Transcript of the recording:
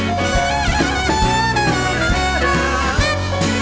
สปาเกตตี้ปลาทู